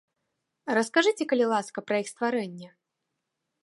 Раскажыце, калі ласка, пра іх стварэнне.